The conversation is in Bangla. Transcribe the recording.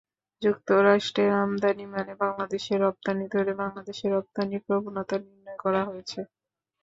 যুক্তরাষ্ট্রের আমদানি মানে বাংলাদেশের রপ্তানি ধরে বাংলাদেশের রপ্তানির প্রবণতা নির্ণয় করা হয়েছে।